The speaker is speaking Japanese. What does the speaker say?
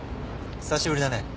久しぶりだね。